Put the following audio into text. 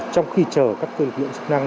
trong khi chờ các cơ lực lượng chức năng